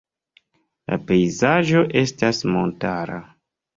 La pejzaĝo estas montara.